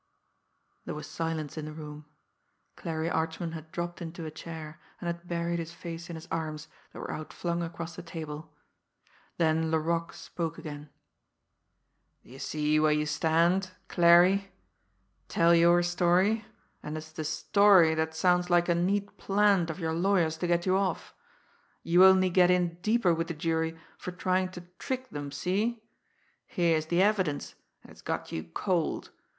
'" There was silence in the room. Clarie Archman had dropped into a chair, and had buried his face in his arms that were out flung across the table. Then Laroque spoke again: "Do you see where you stand Clarie? Tell your story and it's the story that sounds like a neat 'plant' of your lawyer's to get you off. You only get in deeper with the jury for trying to trick them, see? Here's the evidence and it's got you cold.